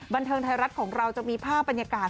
บันเทิงไทยรัฐของเราจะมีภาพบรรยากาศ